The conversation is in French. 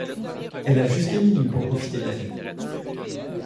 Elle a jusqu’à minuit pour profiter de la fête.